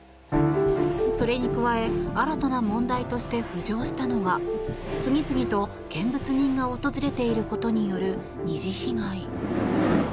それに加え新たな問題として浮上したのが次々と見物人が訪れていることによる二次被害。